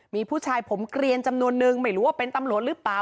มีผู้ชายผมเกลียนจำนวนนึงไม่รู้ว่าเป็นตำรวจหรือเปล่า